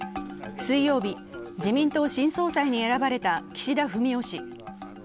水曜日、自民党新総裁に選ばれた岸田文雄氏。